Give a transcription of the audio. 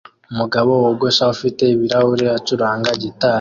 Umugabo wogosha ufite ibirahuri acuranga gitari